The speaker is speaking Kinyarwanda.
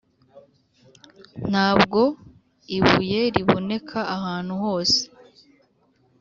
ntabwo ibuye riboneka ahantu hose.